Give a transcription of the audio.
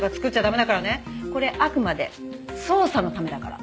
これあくまで捜査のためだから。